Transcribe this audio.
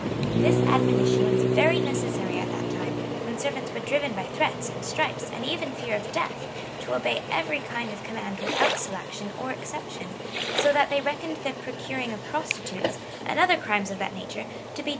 This admonition was very necessary at that time, when servants were driven by threats and stripes, and even fear of death, to obey every kind of command without selection or exception, so that they reckoned the procuring of prostitutes, and other crimes 1 See p.